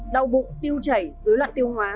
đau bụng tiêu chảy dối loạn tiêu hóa